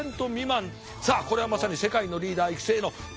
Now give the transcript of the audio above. さあこれはまさに世界のリーダー育成の虎の穴状態。